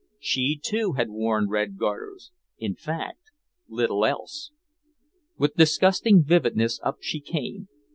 She too had worn red garters in fact, little else! With disgusting vividness up she came!